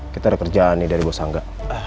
kita ada kerjaan nih dari bos angga